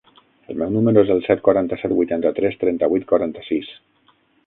El meu número es el set, quaranta-set, vuitanta-tres, trenta-vuit, quaranta-sis.